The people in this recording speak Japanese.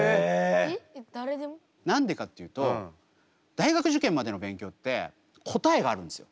何でかっていうと大学受験までの勉強って答えがあるんですよ。